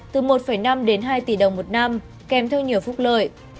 từ một năm đến hai tỷ đồng một năm kèm theo nhiều phúc lợi